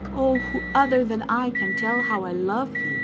Oh, who other than I can tell how I love thee